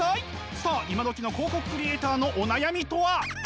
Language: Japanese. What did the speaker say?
さあ今どきの広告クリエーターのお悩みとは。